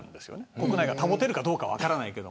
国内が保てるかどうか分からないけど。